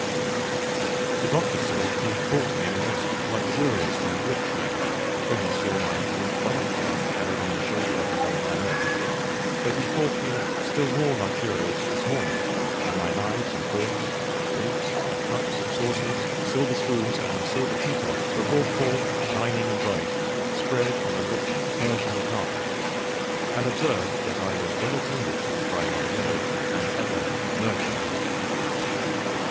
The Doctor said he had thought me a most luxurious and rich man, when he saw my great bath tub carried on the shoulders of one of my men; but he thought me still more luxurious this morning, when my knives and forks, and plates, and cups, saucers, silver spoons, and silver teapot were brought forth shining and bright, spread on a rich Persian carpet, and observed that I was well attended to by my yellow and ebon Mercuries.